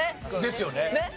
ですよね。